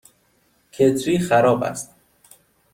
کتری خراب است.